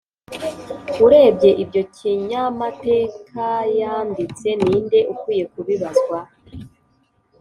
urebye ibyo kinyamatekayanditse, ninde ukwiye kubibazwa